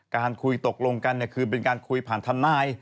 การคุยตกลงกันคือเป็นการคุยผ่านทนาย